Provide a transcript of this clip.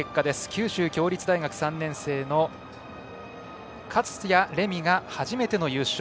九州共立大学３年生の勝冶玲海が初めての優勝。